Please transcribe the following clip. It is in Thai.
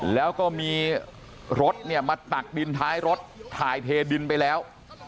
แล้วก็มีรถเนี่ยมาตักดินท้ายรถถ่ายเทดินไปแล้ว